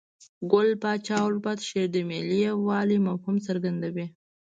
ګل پاچا الفت شعر د ملي یووالي مفهوم څرګندوي.